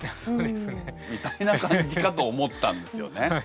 みたいな感じかと思ったんですよね。